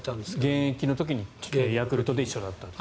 現役の時にヤクルトで一緒だったと。